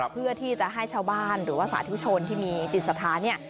เพื่อที่จะให้ชาวบ้านหรือว่าสาธุชนที่มีจิตสถานเนี่ย